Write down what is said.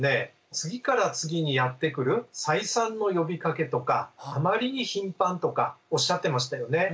次から次にやって来る再三の呼びかけとかあまりに頻繁とかおっしゃってましたよね。